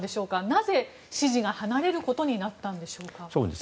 なぜ支持が離れることになったんでしょうか。